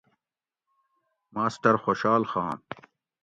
ماسٹر خوشحال خان